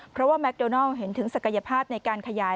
เพราะว่าแมคโดนัลเห็นถึงศักยภาพในการขยาย